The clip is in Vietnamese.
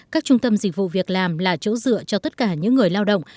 các trung tâm dịch vụ việc làm là chỗ dựa cho tất cả những người lao động